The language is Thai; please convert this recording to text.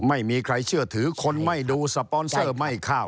ไม่มีใครเชื่อถือคนไม่ดูสปอนเซอร์ไม่เข้า